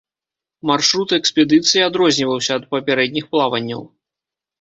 Маршрут экспедыцыі адрозніваўся ад папярэдніх плаванняў.